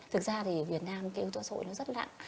thực ra thì việt nam cái yếu tố xã hội nó rất nặng